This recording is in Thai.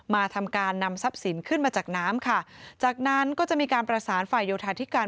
มาทำการนำทรัพย์สินขึ้นมาจากน้ำค่ะจากนั้นก็จะมีการประสานฝ่ายโยธาธิการ